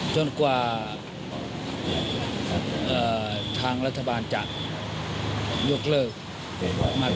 จนกว่าทางรัฐบาลจะยกเลิกมาตรการ